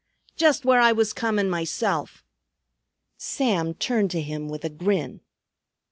"Just where I was comin' myself." Sam turned to him with a grin.